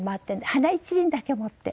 花１輪だけ持って。